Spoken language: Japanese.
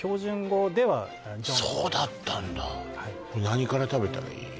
そうだったんだはい何から食べたらいい？